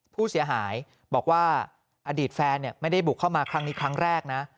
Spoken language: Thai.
ผู้เสียหายบอกว่าอดีตแฟนไม่ได้บุกเข้ามาครั้งนี้ครั้งแรกนะ